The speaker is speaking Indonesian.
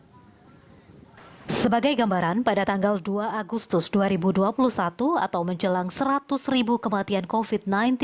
hai sebagai gambaran pada tanggal dua agustus dua ribu dua puluh satu atau menjelang seratus kematian kofit